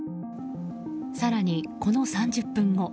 更にこの３０分後。